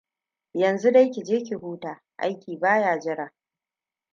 Yanzu dai ki je ki huta. Aiki ba ya jira.